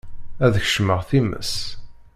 Ad kecmeɣ times.